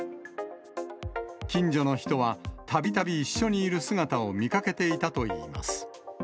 近所の人は、たびたび一緒にいる姿を見かけていたといいます。